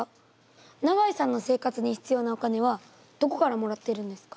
永井さんの生活に必要なお金はどこからもらっているんですか？